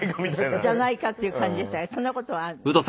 じゃないかっていう感じでしたがそんな事はあるんですか？